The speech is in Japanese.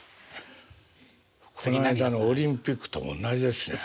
この間のオリンピックとおんなじですね。